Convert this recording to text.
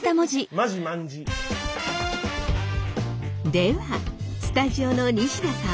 ではスタジオの西田さん。